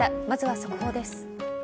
まずは速報です。